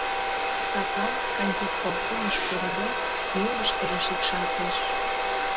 Садлан, кантисполкомыш пурыде, мӧҥгышкыжӧ шикшалтеш.